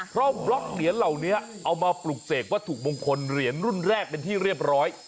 เพราะบล็อกเหรียญเหล่านี้เอามาปลูกเสกวัตถุมงคลเหรียญรุ่นแรกเป็นที่เรียบร้อย